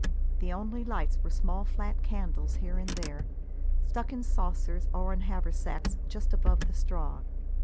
The only lights were small flat candles here and there, stuck in saucers or on haversacks just above the straw.